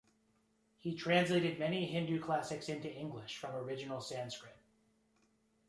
He translated many Hindu classics into English from original Sanskrit.